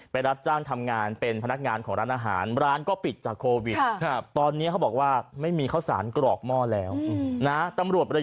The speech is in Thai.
ไปรับจ้างทำงานเป็นพนักงานของร้านอาหาร